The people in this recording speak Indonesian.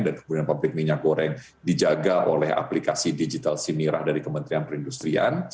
dan kemudian pabrik minyak goreng dijaga oleh aplikasi digital sinirah dari kementerian perindustrian